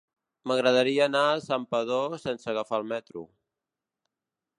M'agradaria anar a Santpedor sense agafar el metro.